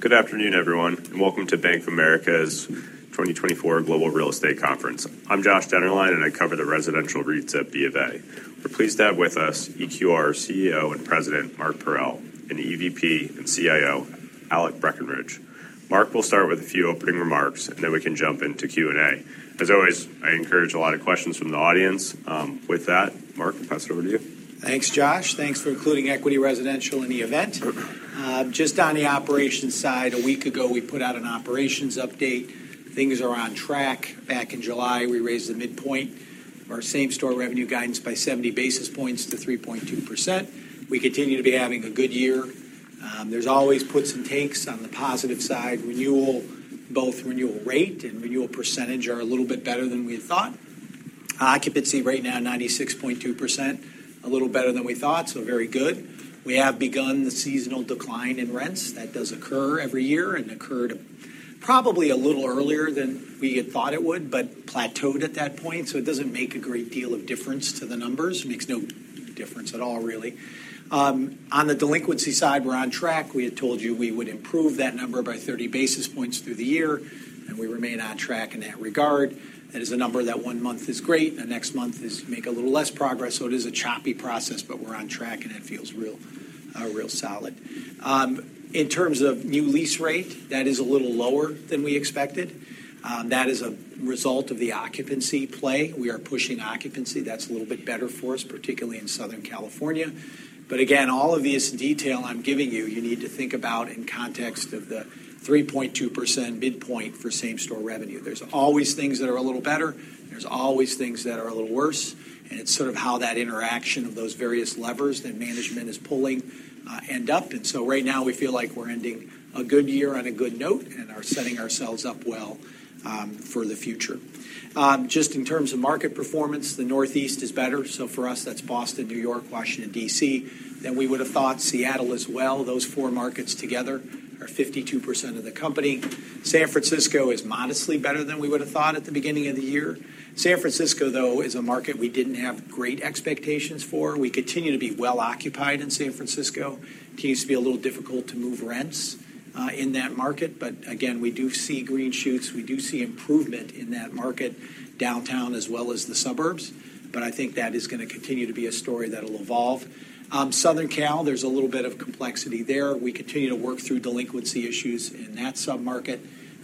Good afternoon, everyone, and welcome to Bank of America's 2024 Global Real Estate Conference. I'm Josh Dennerlein, and I cover the residential REITs at BofA. We're pleased to have with us EQR CEO and President Mark Parrell and EVP and CIO Alec Brackenridge. Mark will start with a few opening remarks, and then we can jump into Q&A. As always, I encourage a lot of questions from the audience. With that, Mark, I'll pass it over to you. Thanks, Josh. Thanks for including Equity Residential in the event. Sure. Just on the operations side, a week ago, we put out an operations update. Things are on track. Back in July, we raised the midpoint of our same-store revenue guidance by 70 basis points to 3.2%. We continue to be having a good year. There's always puts and takes. On the positive side, renewal, both renewal rate and renewal percentage are a little bit better than we had thought. Occupancy right now, 96.2%, a little better than we thought, so very good. We have begun the seasonal decline in rents. That does occur every year and occurred probably a little earlier than we had thought it would, but plateaued at that point, so it doesn't make a great deal of difference to the numbers. Makes no difference at all, really. On the delinquency side, we're on track. We had told you we would improve that number by 30 basis points through the year, and we remain on track in that regard. That is a number that one month is great, and the next month makes a little less progress, so it is a choppy process, but we're on track, and it feels real, real solid. In terms of new lease rate, that is a little lower than we expected. That is a result of the occupancy play. We are pushing occupancy. That's a little bit better for us, particularly in Southern California. But again, all of this detail I'm giving you, you need to think about in context of the 3.2% midpoint for same-store revenue. There's always things that are a little better. There's always things that are a little worse, and it's sort of how that interaction of those various levers that management is pulling end up, and so right now we feel like we're ending a good year on a good note and are setting ourselves up well for the future. Just in terms of market performance, the Northeast is better, so for us, that's Boston, New York, Washington, D.C., than we would have thought. Seattle as well. Those four markets together are 52% of the company. San Francisco is modestly better than we would have thought at the beginning of the year. San Francisco, though, is a market we didn't have great expectations for. We continue to be well occupied in San Francisco. It continues to be a little difficult to move rents in that market. But again, we do see green shoots. We do see improvement in that market, downtown as well as the suburbs. But I think that is gonna continue to be a story that'll evolve. Southern Cal, there's a little bit of complexity there. We continue to work through delinquency issues in that sub-market.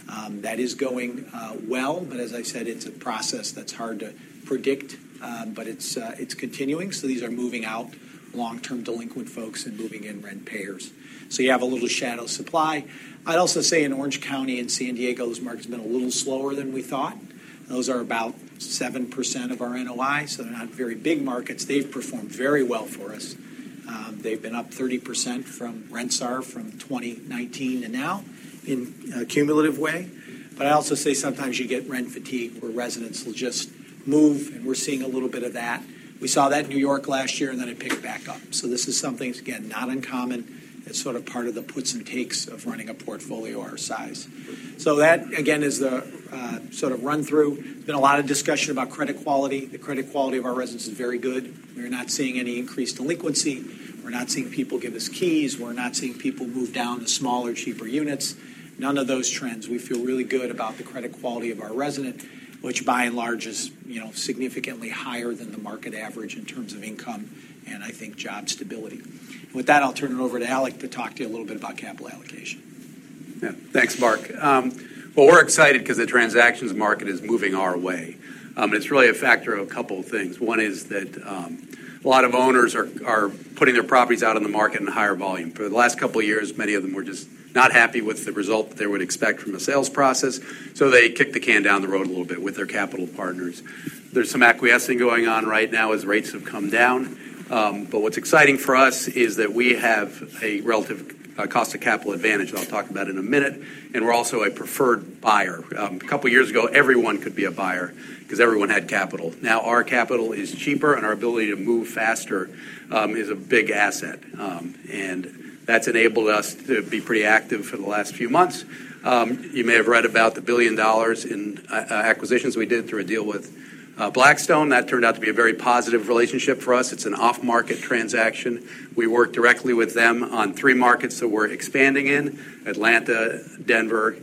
That is going well, but as I said, it's a process that's hard to predict, but it's, it's continuing. So these are moving out long-term delinquent folks and moving in rent payers. So you have a little shadow supply. I'd also say in Orange County and San Diego, those markets have been a little slower than we thought. Those are about 7% of our NOI, so they're not very big markets. They've performed very well for us. They've been up 30% from-- rents are from 2019 to now in a cumulative way. But I also say sometimes you get rent fatigue, where residents will just move, and we're seeing a little bit of that. We saw that in New York last year, and then it picked back up. So this is something, again, not uncommon. It's sort of part of the puts and takes of running a portfolio our size. So that, again, is the sort of run-through. There's been a lot of discussion about credit quality. The credit quality of our residents is very good. We're not seeing any increased delinquency. We're not seeing people give us keys. We're not seeing people move down to smaller, cheaper units. None of those trends. We feel really good about the credit quality of our resident, which by and large is, you know, significantly higher than the market average in terms of income, and I think job stability. With that, I'll turn it over to Alec to talk to you a little bit about capital allocation. Yeah. Thanks, Mark. Well, we're excited 'cause the transactions market is moving our way. It's really a factor of a couple of things. One is that a lot of owners are putting their properties out on the market in higher volume. For the last couple of years, many of them were just not happy with the result that they would expect from a sales process, so they kicked the can down the road a little bit with their capital partners. There's some acquiescing going on right now as rates have come down. But what's exciting for us is that we have a relative cost of capital advantage, that I'll talk about in a minute, and we're also a preferred buyer. A couple years ago, everyone could be a buyer 'cause everyone had capital. Now, our capital is cheaper, and our ability to move faster is a big asset. And that's enabled us to be pretty active for the last few months. You may have read about the $1 billion in acquisitions we did through a deal with Blackstone. That turned out to be a very positive relationship for us. It's an off-market transaction. We worked directly with them on three markets that we're expanding in: Atlanta, Denver,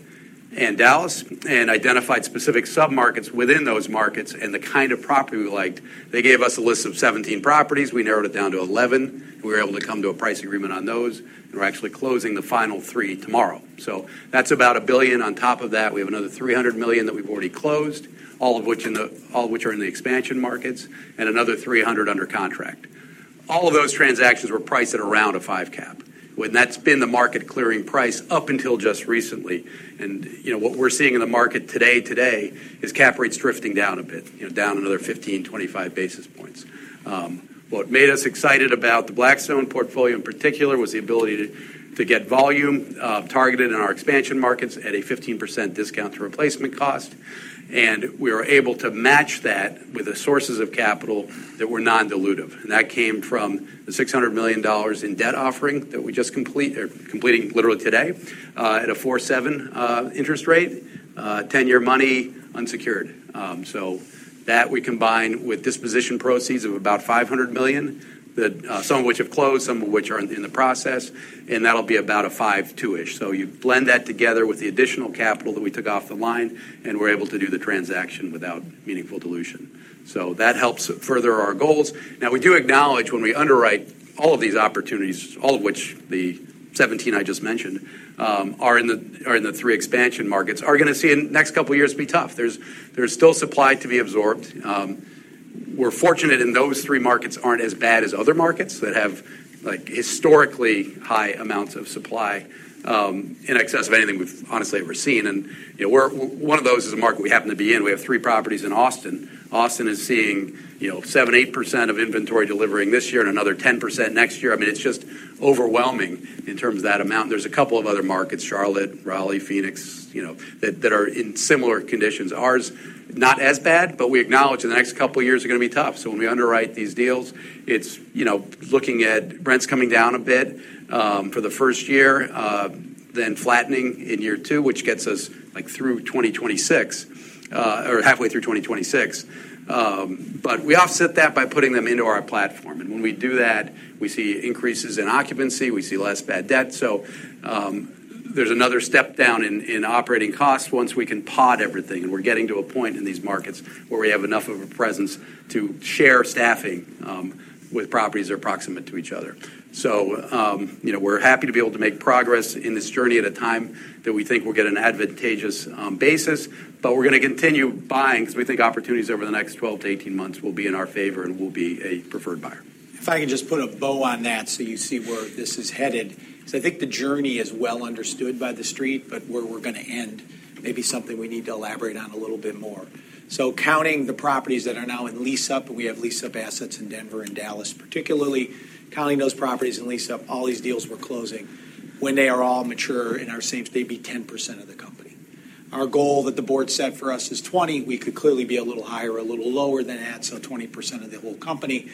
and Dallas, and identified specific sub-markets within those markets and the kind of property we liked. They gave us a list of 17 properties. We narrowed it down to 11. We were able to come to a price agreement on those. We're actually closing the final three tomorrow. So that's about $1 billion. On top of that, we have another $300 million that we've already closed, all of which are in the expansion markets, and another $300 million under contract. All of those transactions were priced at around a five cap, when that's been the market clearing price up until just recently. And, you know, what we're seeing in the market today is cap rates drifting down a bit, you know, down another 15, 25 basis points. What made us excited about the Blackstone portfolio in particular was the ability to get volume targeted in our expansion markets at a 15% discount to replacement cost. And we were able to match that with the sources of capital that were non-dilutive. That came from the $600 million in debt offering that we just completing literally today, at a 4.7% interest rate, 10-year money, unsecured. So that we combined with disposition proceeds of about $500 million, that, some of which have closed, some of which are in the process, and that'll be about a 5.2%-ish. So you blend that together with the additional capital that we took off the line, and we're able to do the transaction without meaningful dilution. So that helps further our goals. Now, we do acknowledge when we underwrite all of these opportunities, all of which, the 17 I just mentioned, are in the three expansion markets, are gonna see in the next couple of years be tough. There's still supply to be absorbed. We're fortunate in those three markets aren't as bad as other markets that have, like, historically high amounts of supply in excess of anything we've honestly ever seen. And, you know, we're one of those is a market we happen to be in. We have three properties in Austin. Austin is seeing, you know, 7%-8% of inventory delivering this year and another 10% next year. I mean, it's just overwhelming in terms of that amount. There's a couple of other markets, Charlotte, Raleigh, Phoenix, you know, that, that are in similar conditions. Ours, not as bad, but we acknowledge that the next couple of years are gonna be tough. When we underwrite these deals, it's, you know, looking at rents coming down a bit, for the first year, then flattening in year two, which gets us, like, through 2026, or halfway through 2026. We offset that by putting them into our platform. When we do that, we see increases in occupancy, we see less bad debt. There's another step down in operating costs once we can pod everything. We're getting to a point in these markets where we have enough of a presence to share staffing with properties that are proximate to each other. You know, we're happy to be able to make progress in this journey at a time that we think will get an advantageous basis. But we're gonna continue buying because we think opportunities over the next 12-18 months will be in our favor and we'll be a preferred buyer. If I can just put a bow on that so you see where this is headed, because I think the journey is well understood by the street, but where we're gonna end may be something we need to elaborate on a little bit more. So counting the properties that are now in lease-up, and we have lease-up assets in Denver and Dallas, particularly counting those properties in lease-up, all these deals we're closing. When they are all mature in our same-store, they'd be 10% of the company. Our goal that the board set for us is 20%. We could clearly be a little higher or a little lower than that, so 20% of the whole company.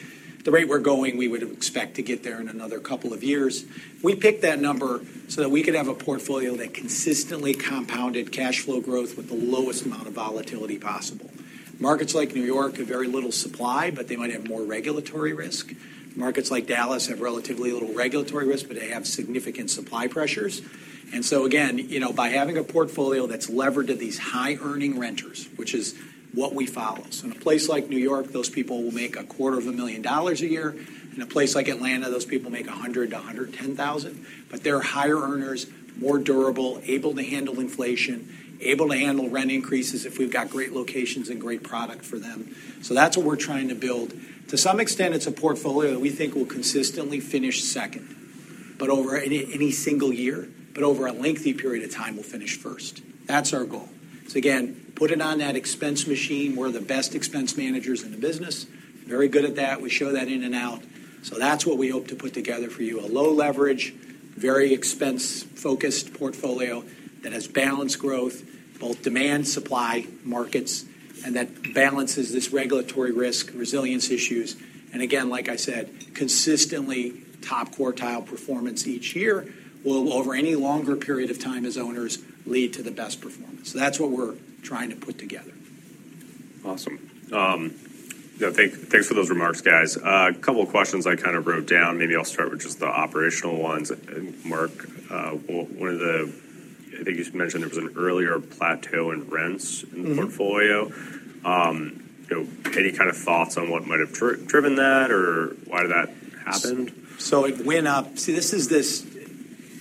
The rate we're going, we would expect to get there in another couple of years. We picked that number so that we could have a portfolio that consistently compounded cash flow growth with the lowest amount of volatility possible. Markets like New York have very little supply, but they might have more regulatory risk. Markets like Dallas have relatively little regulatory risk, but they have significant supply pressures, and so again, you know, by having a portfolio that's levered to these high-earning renters, which is what we follow, so in a place like New York, those people will make $250,000 a year. In a place like Atlanta, those people make $100,000-$110,000, but they are higher earners, more durable, able to handle inflation, able to handle rent increases if we've got great locations and great product for them, so that's what we're trying to build. To some extent, it's a portfolio that we think will consistently finish second, but over any single year, but over a lengthy period of time, we'll finish first. That's our goal. So again, put it on that expense machine. We're the best expense managers in the business. Very good at that. We show that in and out. So that's what we hope to put together for you. A low leverage, very expense-focused portfolio that has balanced growth, both demand, supply markets, and that balances this regulatory risk, resilience issues. And again, like I said, consistently top quartile performance each year will, over any longer period of time as owners, lead to the best performance. So that's what we're trying to put together. Awesome. Yeah, thanks for those remarks, guys. A couple of questions I kind of wrote down. Maybe I'll start with just the operational ones. And, Mark, one of the... I think you mentioned there was an earlier plateau in rents- Mm-hmm. -in the portfolio. You know, any kind of thoughts on what might have driven that or why that happened? It went up. See, this is,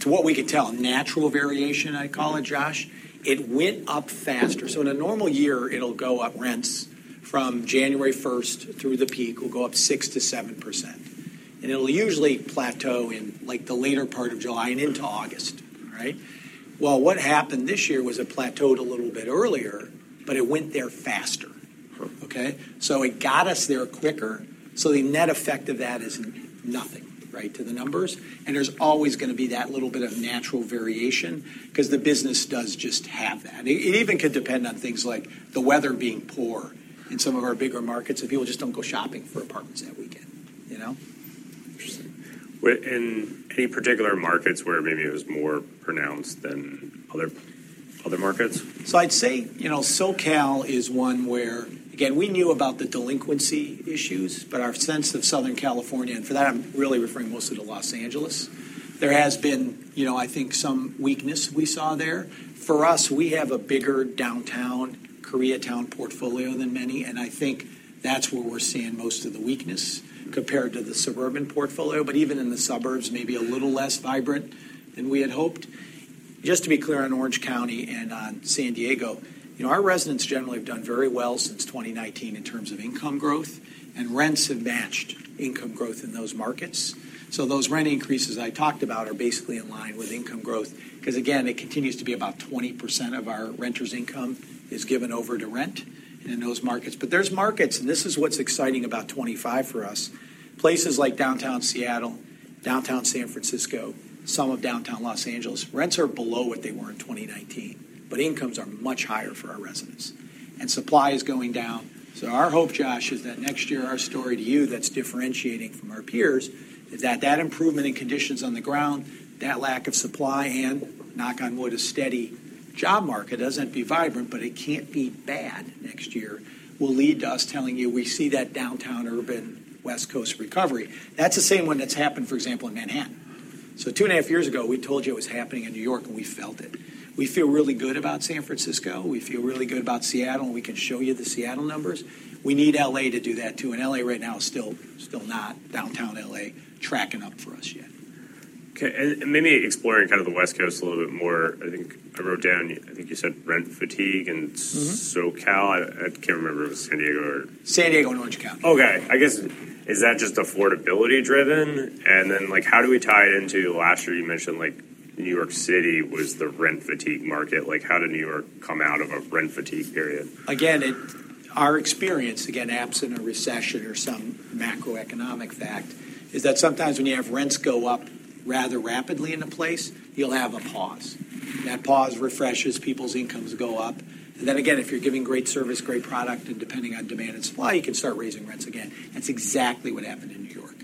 to what we could tell, natural variation, I call it, Josh. It went up faster. In a normal year, it'll go up rents from January first through the peak, will go up 6%-7%, and it'll usually plateau in, like, the later part of July and into August, right? What happened this year was it plateaued a little bit earlier, but it went there faster. Sure. Okay? So it got us there quicker, so the net effect of that is nothing, right, to the numbers. And there's always gonna be that little bit of natural variation because the business does just have that. It, it even could depend on things like the weather being poor in some of our bigger markets, and people just don't go shopping for apartments that weekend. You know? Interesting. Were in any particular markets where maybe it was more pronounced than other markets? So I'd say, you know, SoCal is one where, again, we knew about the delinquency issues, but our sense of Southern California, and for that, I'm really referring mostly to Los Angeles. There has been, you know, I think, some weakness we saw there. For us, we have a bigger downtown Koreatown portfolio than many, and I think that's where we're seeing most of the weakness compared to the suburban portfolio. But even in the suburbs, maybe a little less vibrant than we had hoped. Just to be clear, on Orange County and on San Diego, you know, our residents generally have done very well since 2019 in terms of income growth, and rents have matched income growth in those markets. So those rent increases I talked about are basically in line with income growth because, again, it continues to be about 20% of our renters' income is given over to rent in those markets. But there's markets, and this is what's exciting about 2025 for us. Places like downtown Seattle, downtown San Francisco, some of downtown Los Angeles, rents are below what they were in 2019, but incomes are much higher for our residents, and supply is going down. So our hope, Josh, is that next year, our story to you that's differentiating from our peers is that, that improvement in conditions on the ground, that lack of supply and, knock on wood, a steady job market, doesn't have to be vibrant, but it can't be bad next year, will lead to us telling you we see that downtown urban West Coast recovery. That's the same one that's happened, for example, in Manhattan, so two and a half years ago, we told you it was happening in New York, and we felt it. We feel really good about San Francisco. We feel really good about Seattle, and we can show you the Seattle numbers. We need L.A. to do that, too, and L.A. right now is still not downtown L.A. tracking up for us yet.... Okay, and maybe exploring kind of the West Coast a little bit more. I think I wrote down, I think you said rent fatigue and- Mm-hmm. SoCal. I can't remember if it was San Diego or San Diego and Orange County. Okay, I guess, is that just affordability driven? And then, like, how do we tie it into last year? You mentioned, like, New York City was the rent fatigue market. Like, how did New York come out of a rent fatigue period? Again, our experience, again, absent a recession or some macroeconomic factor, is that sometimes when you have rents go up rather rapidly in a place, you'll have a pause. That pause refreshes, people's incomes go up, and then again, if you're giving great service, great product, and depending on demand and supply, you can start raising rents again. That's exactly what happened in New York.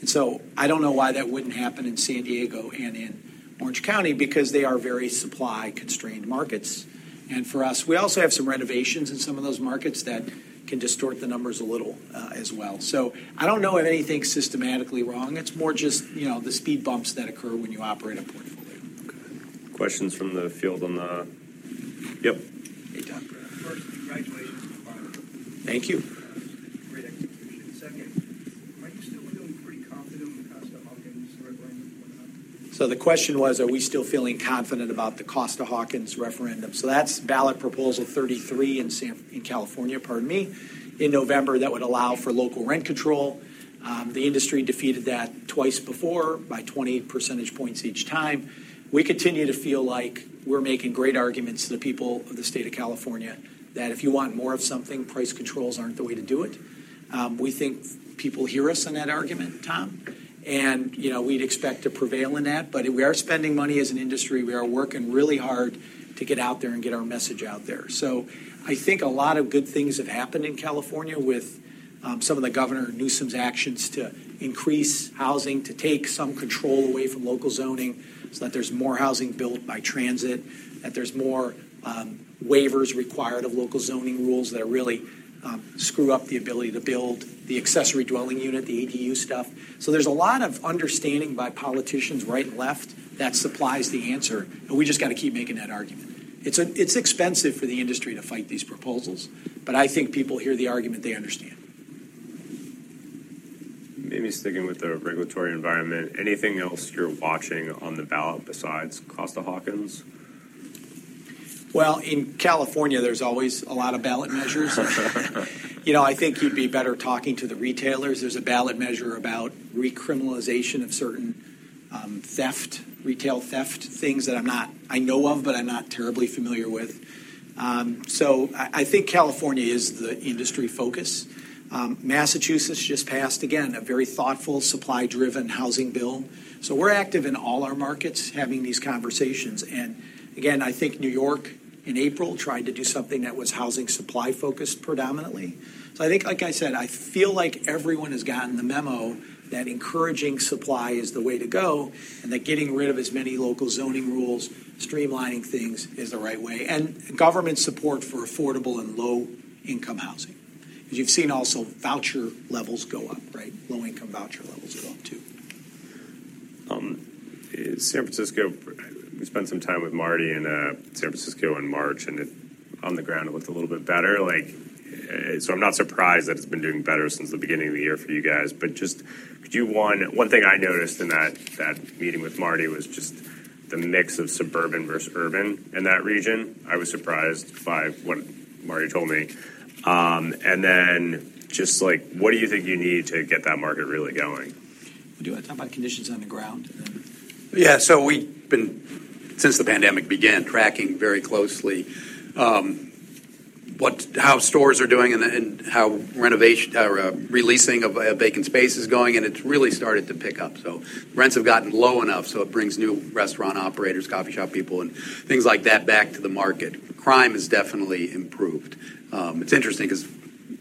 And so I don't know why that wouldn't happen in San Diego and in Orange County, because they are very supply-constrained markets. And for us, we also have some renovations in some of those markets that can distort the numbers a little, as well. So I don't know of anything systematically wrong. It's more just, you know, the speed bumps that occur when you operate a portfolio. Okay. Questions from the field on the... Yep. Hey, Tom. First, congratulations on the quarter. Thank you. Great execution. Second, are you still feeling pretty confident in the Costa-Hawkins referendum going on? So the question was, are we still feeling confident about the Costa-Hawkins referendum? That's Proposition 33 in California in November that would allow for local rent control. The industry defeated that twice before by 20 percentage points each time. We continue to feel like we're making great arguments to the people of the state of California, that if you want more of something, price controls aren't the way to do it. We think people hear us in that argument, Tom, and, you know, we'd expect to prevail in that. But we are spending money as an industry. We are working really hard to get out there and get our message out there. So I think a lot of good things have happened in California with some of the Governor Newsom's actions to increase housing, to take some control away from local zoning, so that there's more housing built by transit, that there's more waivers required of local zoning rules that really screw up the ability to build the accessory dwelling unit, the ADU stuff. So there's a lot of understanding by politicians, right and left, that supplies the answer, and we just got to keep making that argument. It's expensive for the industry to fight these proposals, but I think people hear the argument, they understand. Maybe sticking with the regulatory environment, anything else you're watching on the ballot besides Costa-Hawkins? In California, there's always a lot of ballot measures. You know, I think you'd be better talking to the retailers. There's a ballot measure about recriminalization of certain, theft, retail theft, things that I'm not... I know of, but I'm not terribly familiar with. So I think California is the industry focus. Massachusetts just passed, again, a very thoughtful, supply-driven housing bill. So we're active in all our markets, having these conversations, and again, I think New York in April, tried to do something that was housing supply-focused predominantly. So I think, like I said, I feel like everyone has gotten the memo that encouraging supply is the way to go, and that getting rid of as many local zoning rules, streamlining things, is the right way, and government support for affordable and low-income housing. You've seen also voucher levels go up, right? Low-income voucher levels are up, too. In San Francisco, we spent some time with Marty in San Francisco in March, and it, on the ground, it looked a little bit better. Like, so I'm not surprised that it's been doing better since the beginning of the year for you guys. But just, could you one thing I noticed in that meeting with Marty was just the mix of suburban versus urban in that region. I was surprised by what Marty told me. And then, just like, what do you think you need to get that market really going? Do you want to talk about conditions on the ground then? Yeah. So we've been, since the pandemic began, tracking very closely how stores are doing and how renovation or releasing of vacant space is going, and it's really started to pick up. So rents have gotten low enough, so it brings new restaurant operators, coffee shop people, and things like that back to the market. Crime has definitely improved. It's interesting 'cause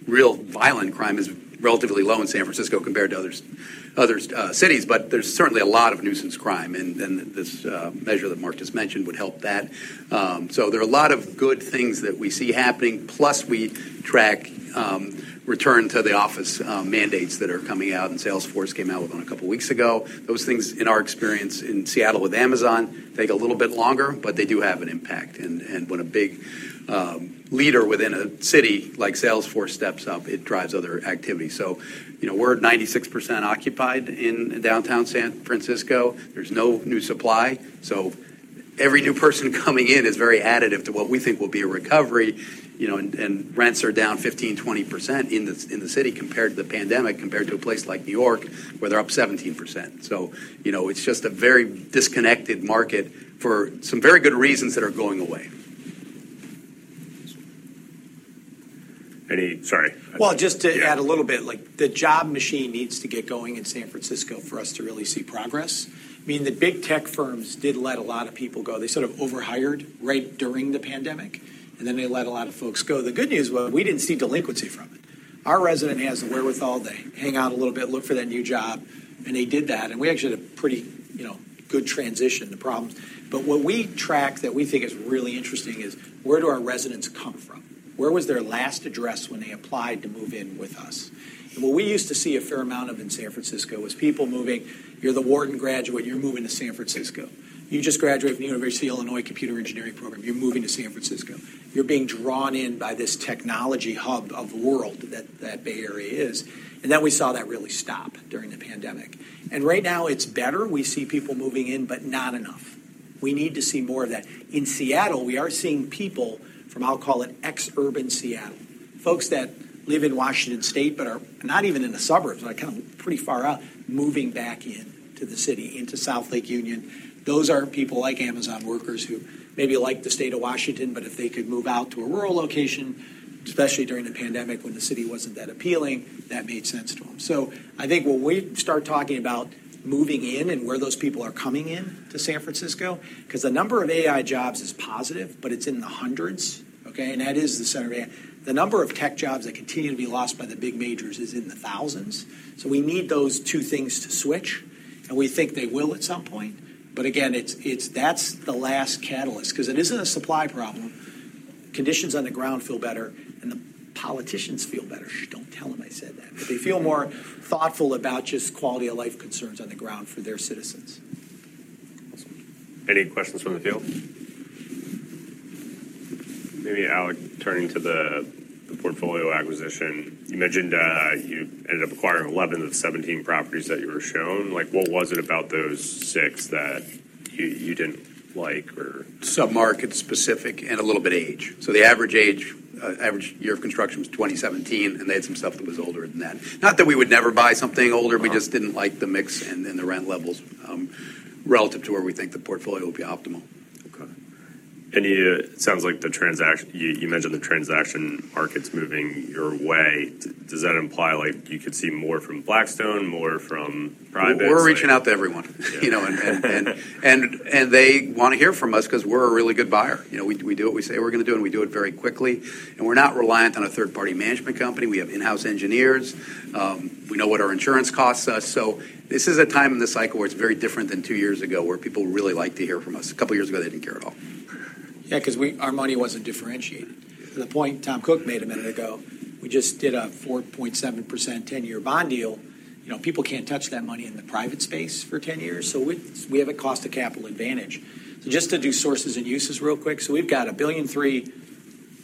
real violent crime is relatively low in San Francisco compared to other cities, but there's certainly a lot of nuisance crime, and then this measure that Mark just mentioned would help that. So there are a lot of good things that we see happening, plus we track return to the office mandates that are coming out, and Salesforce came out with one a couple of weeks ago. Those things, in our experience in Seattle with Amazon, take a little bit longer, but they do have an impact. And when a big leader within a city, like Salesforce, steps up, it drives other activity. So, you know, we're at 96% occupied in downtown San Francisco. There's no new supply, so every new person coming in is very additive to what we think will be a recovery. You know, and rents are down 15%-20% in the city compared to the pandemic, compared to a place like New York, where they're up 17%. So, you know, it's just a very disconnected market for some very good reasons that are going away. Any... Sorry. Well, just to- Yeah... add a little bit, like, the job machine needs to get going in San Francisco for us to really see progress. I mean, the big tech firms did let a lot of people go. They sort of overhired right during the pandemic, and then they let a lot of folks go. The good news was, we didn't see delinquency from it. Our resident has the wherewithal. They hang out a little bit, look for that new job, and they did that, and we actually had a pretty, you know, good transition, the problems. But what we track that we think is really interesting is: where do our residents come from? Where was their last address when they applied to move in with us? And what we used to see a fair amount of in San Francisco was people moving. You're the Wharton graduate, you're moving to San Francisco. You just graduated from the University of Illinois computer engineering program, you're moving to San Francisco. You're being drawn in by this technology hub of the world that Bay Area is, and right now it's better. We see people moving in, but not enough.... We need to see more of that. In Seattle, we are seeing people from, I'll call it exurban Seattle, folks that live in Washington State but are not even in the suburbs, like, kind of pretty far out, moving back in to the city, into South Lake Union. Those are people like Amazon workers who maybe like the state of Washington, but if they could move out to a rural location, especially during the pandemic, when the city wasn't that appealing, that made sense to them. So I think when we start talking about moving in and where those people are coming in to San Francisco, 'cause the number of AI jobs is positive, but it's in the hundreds, okay? And that is the center of AI. The number of tech jobs that continue to be lost by the big majors is in the thousands. So we need those two things to switch, and we think they will at some point. But again, it's, that's the last catalyst, 'cause it isn't a supply problem. Conditions on the ground feel better, and the politicians feel better. Shh, don't tell them I said that. They feel more thoughtful about just quality of life concerns on the ground for their citizens. Any questions from the field? Maybe I'll turn to the portfolio acquisition. You mentioned, you ended up acquiring 11 of the 17 properties that you were shown. Like, what was it about those six that you didn't like or- Submarket specific and a little bit age. So the average age, average year of construction was 2017, and they had some stuff that was older than that. Not that we would never buy something older- Uh-huh. We just didn't like the mix and the rent levels relative to where we think the portfolio would be optimal. Okay. And it sounds like the transaction you mentioned the transaction market's moving your way. Does that imply, like, you could see more from Blackstone, more from privates? We're reaching out to everyone. Yeah, You know, they want to hear from us 'cause we're a really good buyer. You know, we do what we say we're going to do, and we do it very quickly. And we're not reliant on a third-party management company. We have in-house engineers. We know what our insurance costs us, so this is a time in the cycle where it's very different than two years ago, where people really like to hear from us. A couple years ago, they didn't care at all. Yeah, 'cause our money wasn't differentiated. To the point Tom Cook made a minute ago, we just did a 4.7% 10-year bond deal. You know, people can't touch that money in the private space for 10 years, so we have a cost of capital advantage. Just to do sources and uses real quick: So we've got $1.3 billion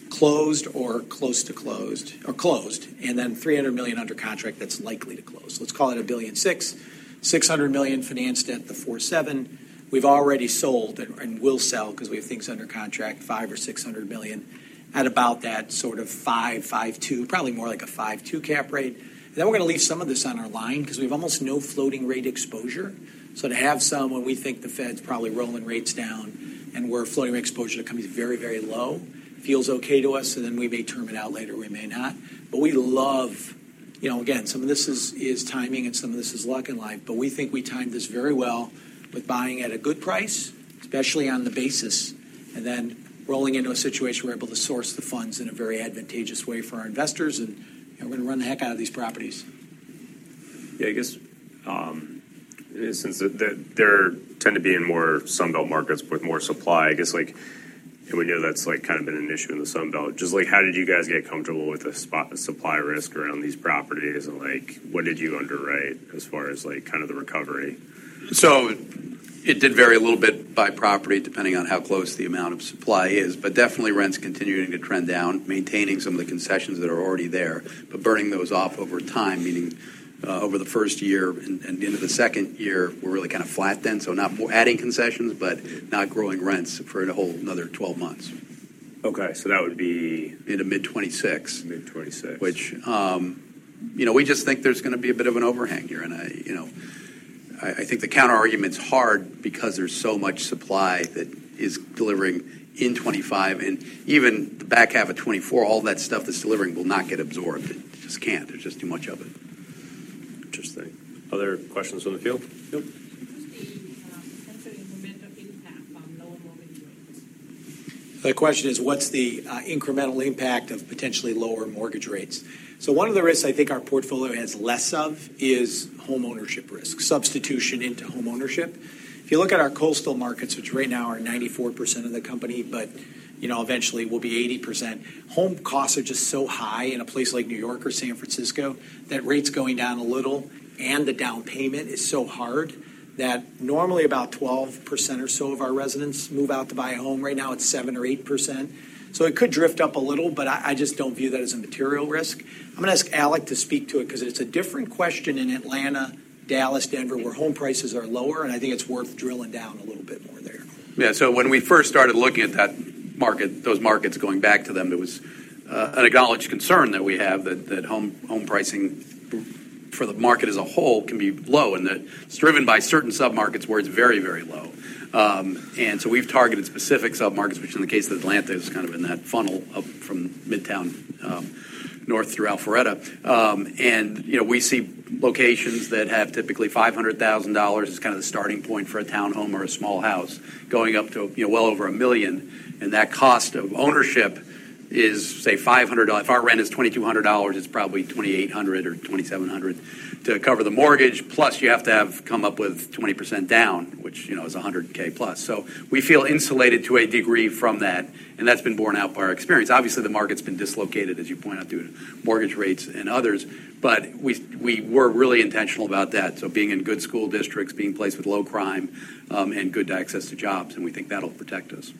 closed or close to closed or closed, and then $300 million under contract that's likely to close. Let's call it $1.6 billion. $600 million financed at the 4.7. We've already sold and will sell, 'cause we have things under contract, $500 million-$600 million at about that sort of 5.52, probably more like a 5.2 cap rate. Then we're going to leave some of this on our line because we have almost no floating rate exposure. So to have some when we think the Fed's probably rolling rates down and we're floating exposure to companies very, very low, feels okay to us, and then we may term it out later, we may not. But we love... You know, again, some of this is timing, and some of this is luck in life, but we think we timed this very well with buying at a good price, especially on the basis, and then rolling into a situation where we're able to source the funds in a very advantageous way for our investors, and, you know, we're going to run the heck out of these properties. Yeah, I guess, since they tend to be in more Sun Belt markets with more supply, I guess, like, and we know that's, like, kind of been an issue in the Sun Belt. Just like, how did you guys get comfortable with the spot, the supply risk around these properties, and, like, what did you underwrite as far as, like, kind of the recovery? So it did vary a little bit by property, depending on how close the amount of supply is, but definitely rents continuing to trend down, maintaining some of the concessions that are already there, but burning those off over time, meaning over the first year and into the second year, we're really kind of flat then. So not adding concessions, but not growing rents for it to hold another 12 months. Okay, so that would be... Into mid-2026. Mid '26. Which, you know, we just think there's going to be a bit of an overhang here, and I, you know, think the counterargument's hard because there's so much supply that is delivering in 2025, and even the back half of 2024, all that stuff that's delivering will not get absorbed. It just can't. There's just too much of it. Interesting. Other questions from the field? Yep. What's the incremental impact on lower mortgage rates? The question is, what's the incremental impact of potentially lower mortgage rates? So one of the risks I think our portfolio has less of is homeownership risk, substitution into homeownership. If you look at our coastal markets, which right now are 94% of the company, but, you know, eventually will be 80%, home costs are just so high in a place like New York or San Francisco, that rate's going down a little, and the down payment is so hard that normally about 12% or so of our residents move out to buy a home. Right now, it's 7% or 8%. So it could drift up a little, but I just don't view that as a material risk. I'm going to ask Alec to speak to it because it's a different question in Atlanta, Dallas, Denver, where home prices are lower, and I think it's worth drilling down a little bit more there. Yeah. So when we first started looking at that market, those markets, going back to them, it was an acknowledged concern that we have that home pricing for the market as a whole can be low, and that it's driven by certain submarkets where it's very, very low. And so we've targeted specific submarkets, which in the case of Atlanta, is kind of in that funnel of from Midtown north through Alpharetta. And, you know, we see locations that have typically $500,000 as kind of the starting point for a town home or a small house, going up to, you know, well over a million. And that cost of ownership is, say, $500. If our rent is $2,200, it's probably $2,800 or $2,700 to cover the mortgage. Plus, you have to have come up with 20% down, which, you know, is $100,000+. So we feel insulated to a degree from that, and that's been borne out by our experience. Obviously, the market's been dislocated, as you point out, due to mortgage rates and others, but we were really intentional about that. So being in good school districts, being placed with low crime, and good access to jobs, and we think that'll protect us.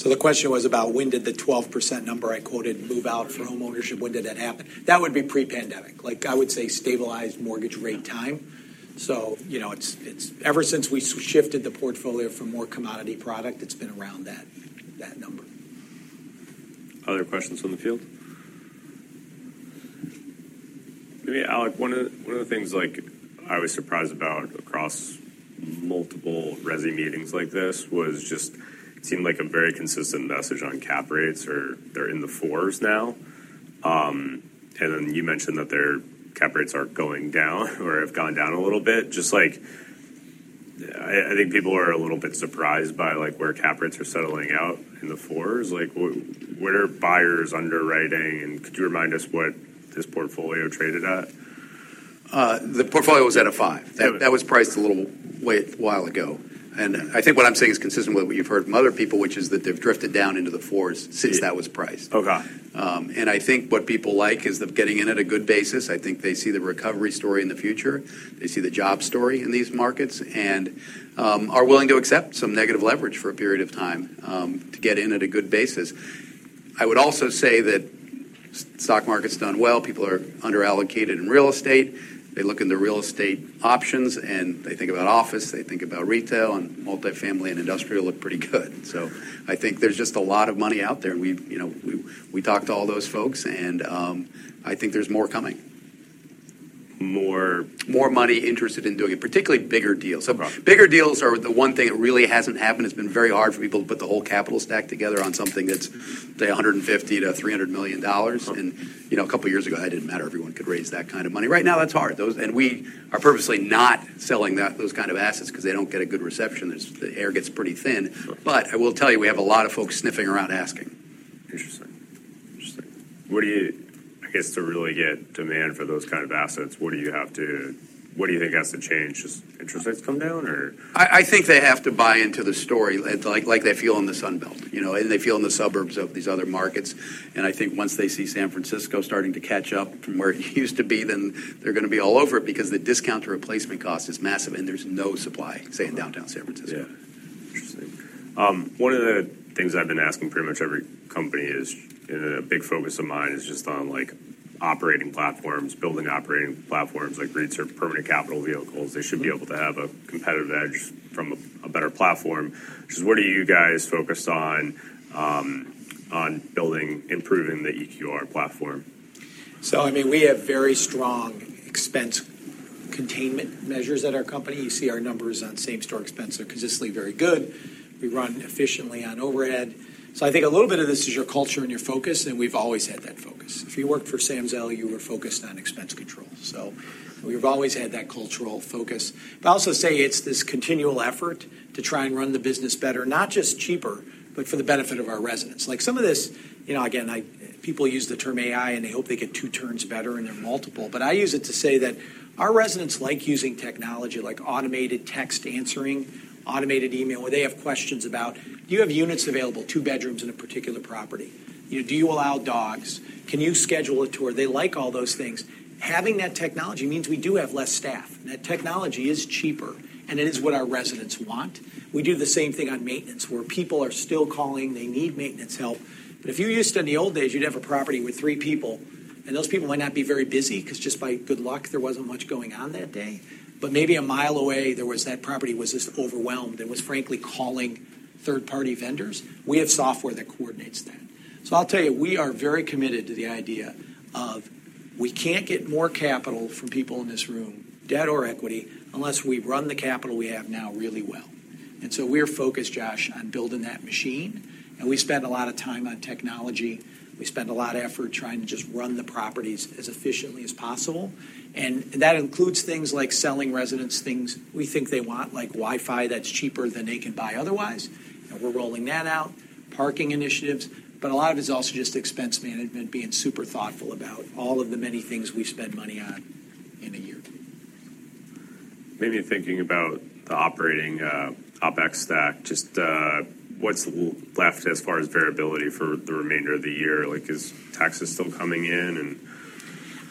And so that 12% of homeownership-... When did that happen? The question was about when did the 12% number I quoted move out for homeownership? When did that happen? That would be pre-pandemic. Like, I would say stabilized mortgage rate time. You know, it's ever since we shifted the portfolio for more commodity product, it's been around that number. Other questions from the field? Maybe, Alec, one of the things, like, I was surprised about across multiple resi meetings like this was just, it seemed like a very consistent message on cap rates, or they're in the fours now. And then you mentioned that their cap rates are going down or have gone down a little bit. Just like, I think people are a little bit surprised by, like, where cap rates are settling out in the fours. Like, where are buyers underwriting, and could you remind us what this portfolio traded at? The portfolio was at a five. Yeah. That, that was priced a little while ago. And I think what I'm saying is consistent with what you've heard from other people, which is that they've drifted down into the fours- Yeah since that was priced. Okay. I think what people like is them getting in at a good basis. I think they see the recovery story in the future. They see the job story in these markets and are willing to accept some negative leverage for a period of time to get in at a good basis. I would also say that stock market's done well. People are under-allocated in real estate. They look in the real estate options, and they think about office, they think about retail, and multifamily and industrial look pretty good. So I think there's just a lot of money out there, and we, you know, we, we talked to all those folks, and I think there's more coming. More...? More money interested in doing it, particularly bigger deals. Okay. Bigger deals are the one thing that really hasn't happened. It's been very hard for people to put the whole capital stack together on something that's, say, $150 million-$300 million. Okay. You know, a couple of years ago, it didn't matter. Everyone could raise that kind of money. Right now, that's hard. Those and we are purposely not selling that, those kind of assets 'cause they don't get a good reception. It's the air gets pretty thin. Okay. But I will tell you, we have a lot of folks sniffing around, asking. Interesting. What do you... I guess, to really get demand for those kind of assets, what do you think has to change? Just interest rates come down, or? I think they have to buy into the story, like, they feel in the Sun Belt, you know, and they feel in the suburbs of these other markets. And I think once they see San Francisco starting to catch up from where it used to be, then they're gonna be all over it because the discount to replacement cost is massive, and there's no supply, say, in downtown San Francisco. Yeah. Interesting. One of the things I've been asking pretty much every company is, and a big focus of mine is just on, like, operating platforms, building operating platforms, like, rates or permanent capital vehicles. Mm-hmm. They should be able to have a competitive edge from a better platform. So what are you guys focused on building, improving the EQR platform? So, I mean, we have very strong expense containment measures at our company. You see our numbers on same-store expense are consistently very good. We run efficiently on overhead. So I think a little bit of this is your culture and your focus, and we've always had that focus. If you worked for Sam Zell, you were focused on expense control, so we've always had that cultural focus. But I'll also say it's this continual effort to try and run the business better, not just cheaper, but for the benefit of our residents. Like, some of this, you know, again, people use the term AI, and they hope they get two turns better in their multiple. But I use it to say that our residents like using technology, like automated text answering, automated email, where they have questions about: "Do you have units available, two bedrooms in a particular property? You know, do you allow dogs? Can you schedule a tour?" They like all those things. Having that technology means we do have less staff, and that technology is cheaper, and it is what our residents want. We do the same thing on maintenance, where people are still calling. They need maintenance help. But if you're used to in the old days, you'd have a property with three people, and those people might not be very busy, 'cause just by good luck, there wasn't much going on that day. But maybe a mile away, there was that property was just overwhelmed and was frankly calling third-party vendors. We have software that coordinates that. So I'll tell you, we are very committed to the idea of we can't get more capital from people in this room, debt or equity, unless we run the capital we have now really well. And so we're focused, Josh, on building that machine, and we spend a lot of time on technology. We spend a lot of effort trying to just run the properties as efficiently as possible, and that includes things like selling residents things we think they want, like Wi-Fi that's cheaper than they can buy otherwise, and we're rolling that out, parking initiatives. But a lot of it is also just expense management, being super thoughtful about all of the many things we spend money on in a year. Maybe thinking about the operating OpEx stack, just, what's left as far as variability for the remainder of the year? Like, is taxes still coming in and-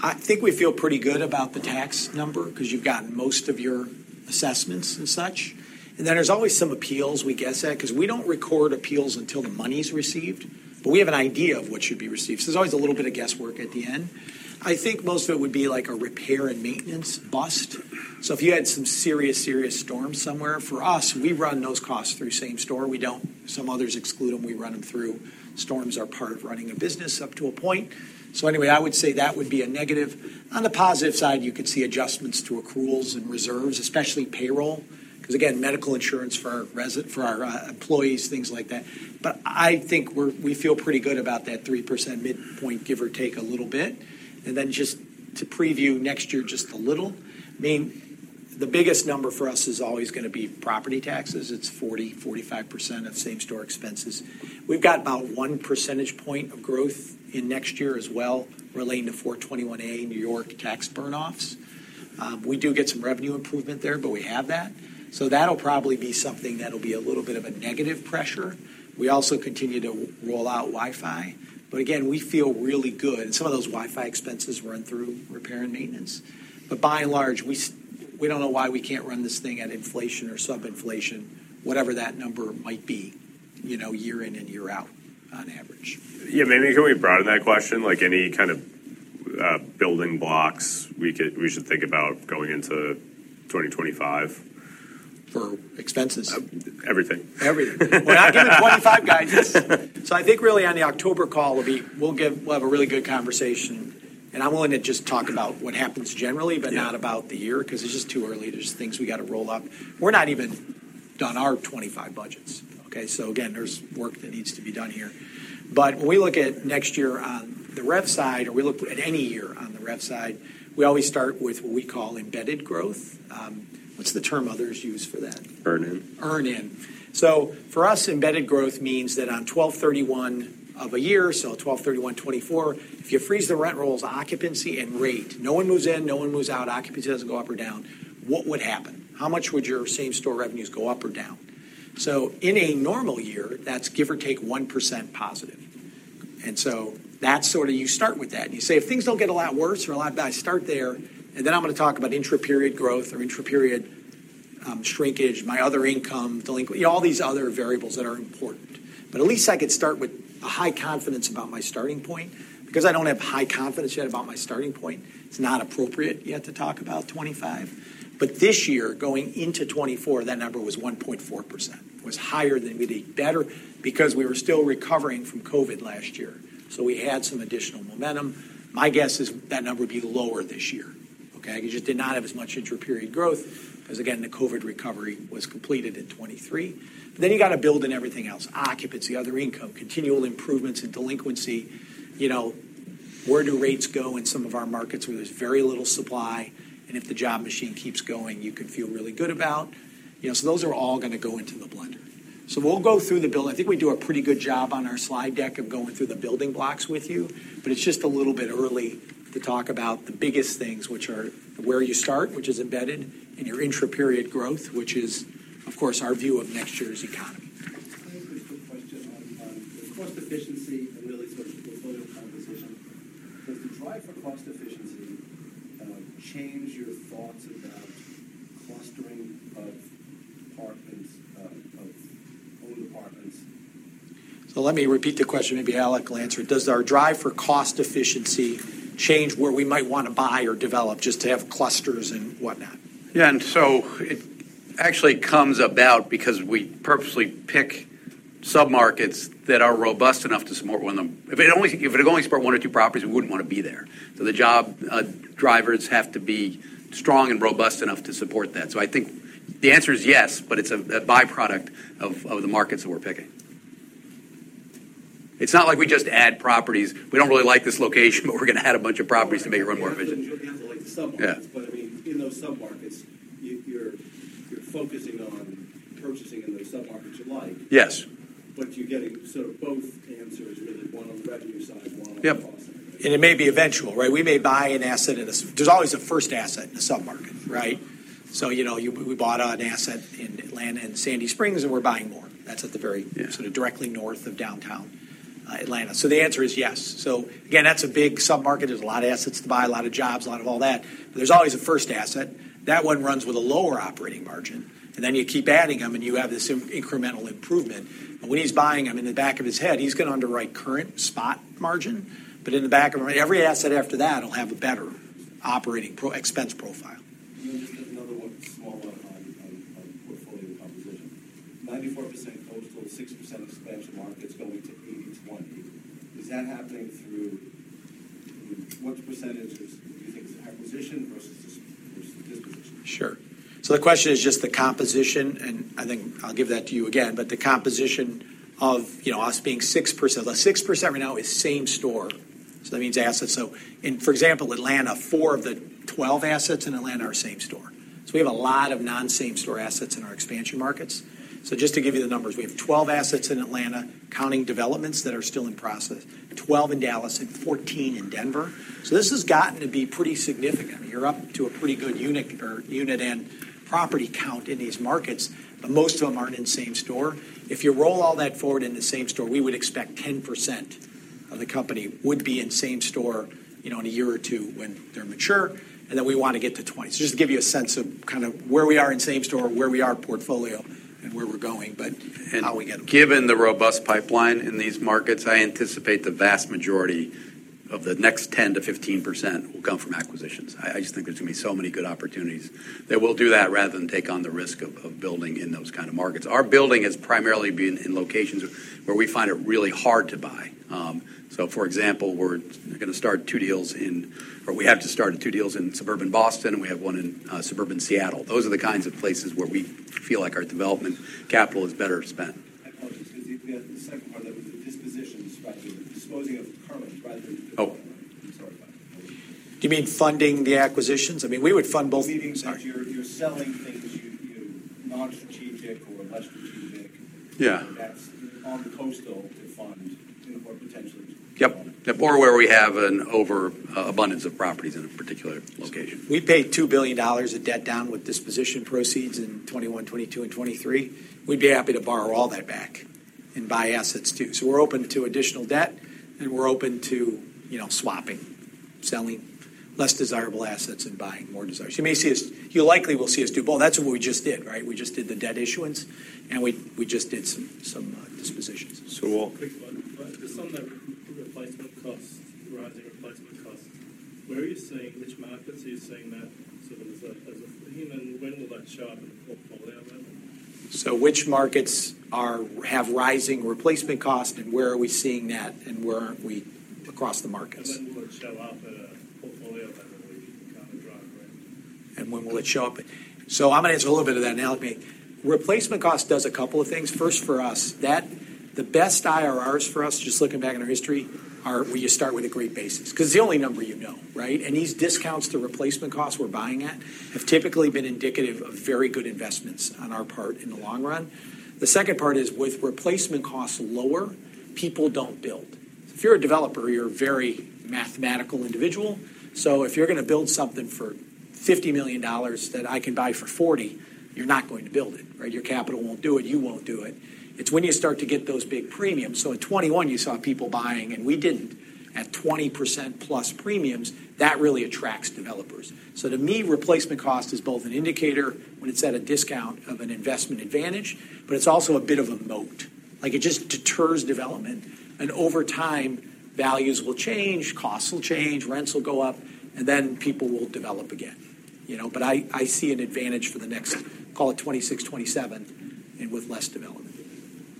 I think we feel pretty good about the tax number because you've gotten most of your assessments and such, and then there's always some appeals, we guess, 'cause we don't record appeals until the money's received. But we have an idea of what should be received, so there's always a little bit of guesswork at the end. I think most of it would be like a repair and maintenance bust. So if you had some serious, serious storms somewhere, for us, we run those costs through same-store. We don't. Some others exclude them, we run them through. Storms are part of running a business up to a point. So anyway, I would say that would be a negative. On the positive side, you could see adjustments to accruals and reserves, especially payroll, 'cause again, medical insurance for our resi-- for our employees, things like that. But I think we feel pretty good about that 3% midpoint, give or take a little bit. And then just to preview next year, just a little, I mean, the biggest number for us is always gonna be property taxes. It's 40%-45% of same-store expenses. We've got about one percentage point of growth in next year as well, relating to 421-a, New York tax burnoffs. We do get some revenue improvement there, but we have that. So that'll probably be something that'll be a little bit of a negative pressure. We also continue to roll out Wi-Fi. But again, we feel really good, and some of those Wi-Fi expenses run through repair and maintenance. But by and large, we s-... We don't know why we can't run this thing at inflation or sub-inflation, whatever that number might be, you know, year in and year out, on average. Yeah, maybe can we broaden that question? Like, any kind of building blocks we should think about going into 2025. For expenses? Everything. Everything. We're not giving 2025 guidance, so I think really on the October call, we'll have a really good conversation, and I'm willing to just talk about what happens generally. Yeah But not about the year, 'cause it's just too early. There's things we got to roll up. We're not even done our 2025 budgets. Okay, so again, there's work that needs to be done here. But when we look at next year on the rev side, or we look at any year on the rev side, we always start with what we call embedded growth. What's the term others use for that? Earn in. Earn-in. So for us, embedded growth means that on 12/31 of a year, so 12/31/2024, if you freeze the rent rolls, occupancy, and rate, no one moves in, no one moves out, occupancy doesn't go up or down, what would happen? How much would your same store revenues go up or down? So in a normal year, that's give or take 1% positive. And so that's sort of... You start with that, and you say, if things don't get a lot worse or a lot better, I start there, and then I'm gonna talk about intra-period growth or intra-period shrinkage, my other income, delinquent, all these other variables that are important. But at least I could start with a high confidence about my starting point. Because I don't have high confidence yet about my starting point, it's not appropriate yet to talk about 2025. But this year, going into 2024, that number was 1.4%. It was higher than would be better because we were still recovering from COVID last year, so we had some additional momentum. My guess is that number would be lower this year, okay? We just did not have as much intra-period growth, 'cause again, the COVID recovery was completed in 2023. Then you got to build in everything else: occupancy, other income, continual improvements in delinquency. You know, where do rates go in some of our markets where there's very little supply, and if the job machine keeps going, you can feel really good about. You know, so those are all gonna go into the blender. So we'll go through the build. I think we do a pretty good job on our slide deck of going through the building blocks with you, but it's just a little bit early to talk about the biggest things, which are where you start, which is embedded, and your intra-period growth, which is, of course, our view of next year's economy. Can I ask a quick question on the cost efficiency and really sort of portfolio composition? Does the drive for cost efficiency change your thoughts about clustering of apartments of our own apartments? So let me repeat the question, maybe Alec will answer it. Does our drive for cost efficiency change where we might want to buy or develop just to have clusters and whatnot? Yeah, and so it actually comes about because we purposely pick submarkets that are robust enough to support one of them. If it only supports one or two properties, we wouldn't want to be there. So the job drivers have to be strong and robust enough to support that. So I think the answer is yes, but it's a byproduct of the markets that we're picking. It's not like we just add properties. We don't really like this location, but we're gonna add a bunch of properties to make it run more efficient. Like the submarkets. Yeah. But, I mean, in those submarkets, you're focusing on purchasing in those submarkets you like. Yes. But you're getting sort of both answers, really, one on the revenue side, one on cost. Yep. And it may be eventual, right? We may buy an asset in a submarket. There's always a first asset in a submarket, right? So, you know, we bought an asset in Atlanta, in Sandy Springs, and we're buying more. That's at the very- Yeah... sort of directly north of downtown, Atlanta. So the answer is yes. So again, that's a big submarket. There's a lot of assets to buy, a lot of jobs, a lot of all that. But there's always a first asset. That one runs with a lower operating margin, and then you keep adding them, and you have this incremental improvement. And when he's buying them, in the back of his head, he's gonna underwrite current spot margin, but every asset after that will have a better operating expense profile. Just another one, small one on portfolio composition. 94% coastal, 6% expansion markets going to 80/20. Is that happening through... What percentage do you think is acquisition versus disposition? Sure. So the question is just the composition, and I think I'll give that to you again, but the composition of, you know, us being 6%. The 6% right now is same store, so that means assets. So in, for example, Atlanta, four of the 12 assets in Atlanta are same store. So we have a lot of non-same store assets in our expansion markets. So just to give you the numbers, we have 12 assets in Atlanta, counting developments that are still in process, 12 in Dallas, and 14 in Denver. So this has gotten to be pretty significant. You're up to a pretty good unit or unit and property count in these markets, but most of them aren't in same store. If you roll all that forward in the same-store, we would expect 10% of the company would be in same-store, you know, in a year or two when they're mature, and then we want to get to 20%. Just to give you a sense of kind of where we are in same-store, where we are portfolio, and where we're going, but how we get them. Given the robust pipeline in these markets, I anticipate the vast majority of the next 10%-15% will come from acquisitions. I just think there's gonna be so many good opportunities that we'll do that rather than take on the risk of building in those kind of markets. Our building is primarily being in locations where we find it really hard to buy. So for example, we're gonna start two deals in... Or we have to start two deals in suburban Boston, and we have one in suburban Seattle. Those are the kinds of places where we feel like our development capital is better spent. I apologize, because the second part of it, the disposition, disposing of current rather than- Oh. Sorry about that. Do you mean funding the acquisitions? I mean, we would fund both- Meaning that- Sorry... you're selling things you non-strategic or less strategic. Yeah. That's on the coastal to fund or potentially. Yep. Yep, or where we have an overabundance of properties in a particular location. We paid $2 billion of debt down with disposition proceeds in 2021, 2022, and 2023. We'd be happy to borrow all that back and buy assets, too. So we're open to additional debt, and we're open to, you know, swapping, selling less desirable assets and buying more desirable. You may see us. You likely will see us do both. That's what we just did, right? We just did the debt issuance, and we just did some dispositions. So we'll- Quick one. Just on the replacement costs, rising replacement costs, where are you seeing, which markets are you seeing that sort of as a, as a thing, and when will that show up in the portfolio level? So which markets have rising replacement costs, and where are we seeing that, and where aren't we across the markets? And then would show up in a portfolio, by the way, kind of right away. And when will it show up? So I'm gonna answer a little bit of that now. Replacement cost does a couple of things. First, for us, that the best IRRs for us, just looking back in our history, are where you start with a great basis, 'cause it's the only number you know, right? And these discounts to replacement costs we're buying at, have typically been indicative of very good investments on our part in the long run. The second part is, with replacement costs lower, people don't build. If you're a developer, you're a very mathematical individual. So if you're gonna build something for $50 million that I can buy for $40 million, you're not going to build it, right? Your capital won't do it. You won't do it. It's when you start to get those big premiums. So in 2021, you saw people buying, and we didn't, at 20%+ premiums. That really attracts developers. So to me, replacement cost is both an indicator when it's at a discount of an investment advantage, but it's also a bit of a moat. Like, it just deters development, and over time, values will change, costs will change, rents will go up, and then people will develop again. You know, but I see an advantage for the next, call it 2026, 2027, and with less development.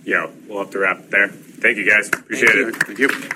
Yeah, we'll have to wrap it there. Thank you, guys. Appreciate it. Thank you.